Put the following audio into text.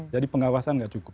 jadi pengawasan tidak cukup